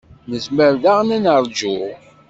Nezmer daɣen ad neṛju.